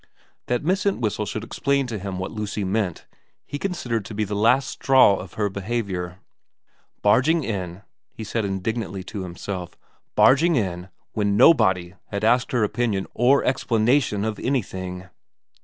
That Miss Entwhistle should explain to him what Lucy meant, he considered to be the last straw of her behaviour. Barging in, he said indignantly to himself ; barging in when nobody had asked her opinion or explanation of anything.